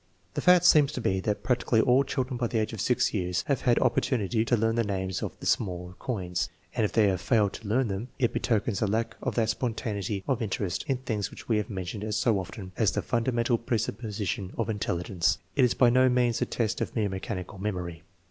The fact seems to be that practically all chil dren by the age of 6 years have had opportunity to learn the names of the smaller coins, and if they have failed to learn them it betokens a lack of that spontangitSLDf .interest in things whictwe have mentioned so~often lisa fundamental presupposition of intelligence. It is by no means a test of mere mechanical memory.